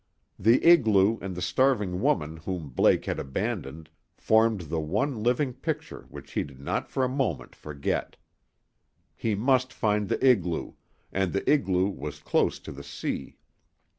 The igloo and the starving woman whom Blake had abandoned formed the one living picture which he did not for a moment forget. He must find the igloo, and the igloo was close to the sea.